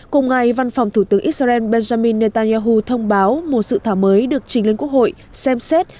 cùng ngày văn phòng thủ tướng israel benjamin netanyahu thông báo một sự thảm mới được chính linh quốc hội xem xét